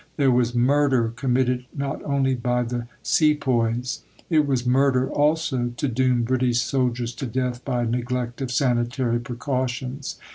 There was "murder" committed not only by the Sepoys. It was murder also to doom British soldiers to death by neglect of sanitary precautions.